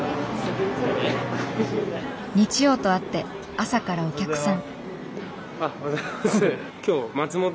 日曜とあって朝からお客さん。